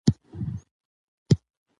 د مهاراجا او شاه شجاع کیسه تیره شوه.